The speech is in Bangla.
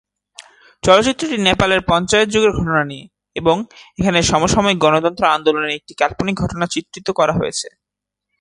চলচ্চিত্রটি নেপালের পঞ্চায়েত যুগের ঘটনা নিয়ে, এবং এখানে সমসাময়িক গণতন্ত্র আন্দোলনের একটি কাল্পনিক ঘটনা চিত্রিত করা হয়েছে।